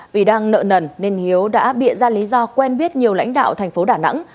vì đang nợ nần nên hiếu đã bị ra lý do quen biết nhiều lãnh đạo tp đà nẵng